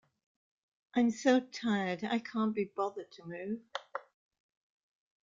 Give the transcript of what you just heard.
I'm so tired, I can't be bothered to move.